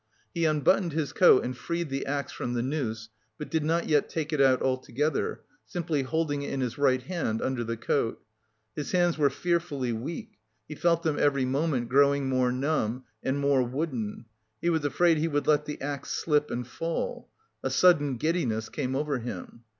He unbuttoned his coat and freed the axe from the noose, but did not yet take it out altogether, simply holding it in his right hand under the coat. His hands were fearfully weak, he felt them every moment growing more numb and more wooden. He was afraid he would let the axe slip and fall.... A sudden giddiness came over him.